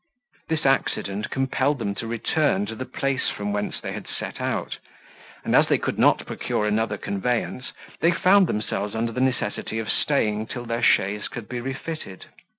This accident compelled them to return to the place from whence they had set out; and as they could not procure another conveyance, they found themselves under the necessity of staying till their chaise could be refitted.